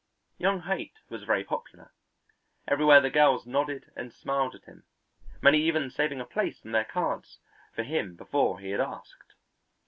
Young Haight was very popular; everywhere the girls nodded and smiled at him, many even saving a place on their cards for him before he had asked.